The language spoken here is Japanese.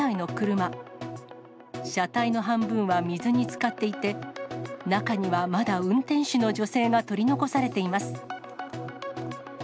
車体の半分は水につかっていて、中にはまだ運転手の女性が取り残されています。